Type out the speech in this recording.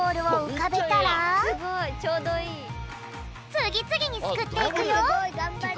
つぎつぎにすくっていくよ！